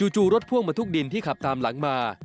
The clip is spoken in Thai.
จู่รถพ่วงมาทุกดินที่ขับตามหลังมา